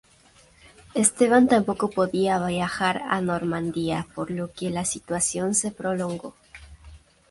Esteban tampoco podía viajar a Normandía, por lo que la situación se prolongó.